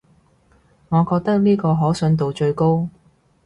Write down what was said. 我覺得呢個可信度最高